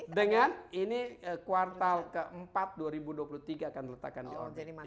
kemudian ini kuartal ke empat dua ribu dua puluh tiga akan diletakkan di orbit